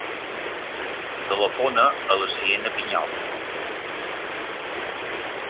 Telefona a la Siena Piñol.